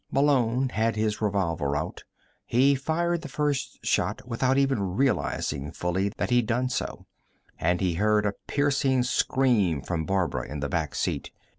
Malone had his revolver out. He fired the first shot without even realizing fully that he'd done so, and he heard a piercing scream from Barbara in the back seat.